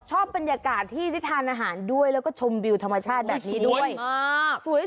ชอบบรรยากาศที่ได้ทานอาหารด้วยแล้วก็ชมวิวธรรมชาติแบบนี้ด้วย